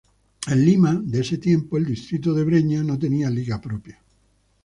En Lima, en ese tiempo, el Distrito de Breña no tenía liga propia.